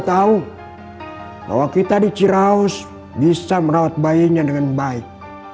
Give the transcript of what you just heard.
alhamdulillah bayinya sehat